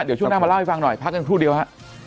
เดี๋ยวช่วงหน้ามาเล่าให้ฟังหน่อยพักกันครู่เดียวฮะ